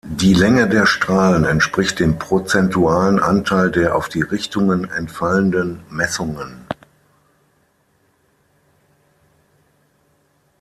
Die Länge der Strahlen entspricht dem prozentualen Anteil der auf die Richtungen entfallenden Messungen.